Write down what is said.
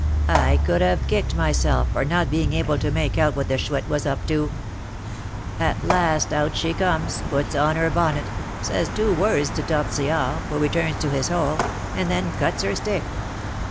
I could have kicked myself for not being able to make out what the Chouette was up to. At last out she comes, puts on her bonnet, says two words to Tortillard, who returns to his hole, and then 'cuts her stick.'